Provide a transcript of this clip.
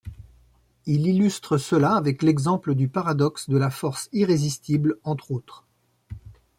Il illustre cela avec l'exemple du paradoxe de la force irrésistible, entre autres.